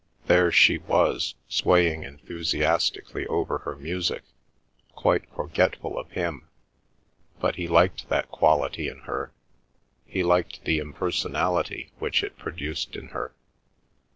There she was, swaying enthusiastically over her music, quite forgetful of him,—but he liked that quality in her. He liked the impersonality which it produced in her.